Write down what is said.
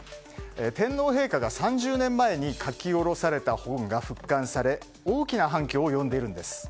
天皇陛下が３０年前に書き下ろされた本が復刊され大きな反響を呼んでいるんです。